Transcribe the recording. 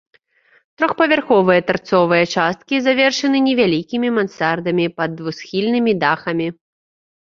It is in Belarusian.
Трохпавярховыя тарцовыя часткі завершаны невялікімі мансардамі пад двухсхільнымі дахамі.